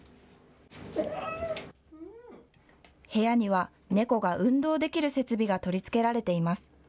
部屋には猫が運動できる設備が取りつけられています。